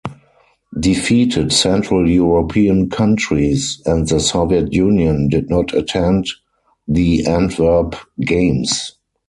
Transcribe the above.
Defeated central European countries and the Soviet Union did not attend the Antwerp games.